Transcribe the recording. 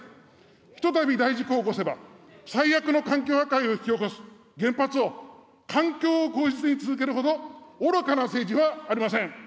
ひとたび大事故を起こせば、最悪の環境破壊を引き起こす原発を、環境を口実に続けるほど愚かな政治はありません。